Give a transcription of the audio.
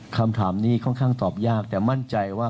คำถามนี้ค่อนข้างตอบยากแต่มั่นใจว่า